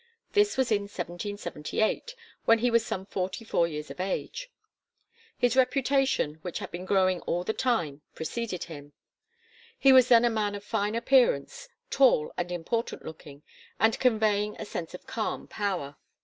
This was in 1778, when he was some forty four years of age; his reputation, which had been growing all the time, preceded him. He was then a man of fine appearance, tall and important looking and conveying a sense of calm power.